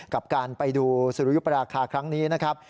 กับการไปดูสุริยุปราคาครั้งนี้นะครับ